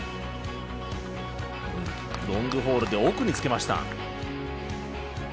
ロングホールで奥につけました。